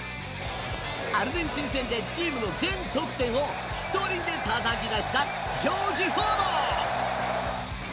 アルゼンチン戦でチームの全得点を１人でたたき出したジョージ・フォード。